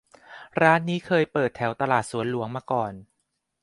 ร้านนี้เคยเปิดแถวตลาดสวนหลวงมาก่อน